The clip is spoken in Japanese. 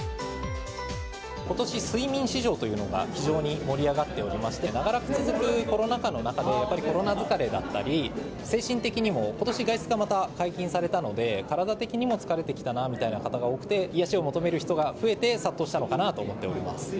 ことし睡眠市場というのが非常に盛り上がっておりまして、長らく続くコロナ禍の中で、やっぱりコロナ疲れだったり、精神的にも、ことし外出が解禁されたので、体的にも疲れてきたなという方が多くて、癒やしを求める人が増えて殺到したのかなと思っております。